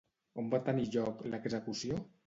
On va tenir lloc l'execució?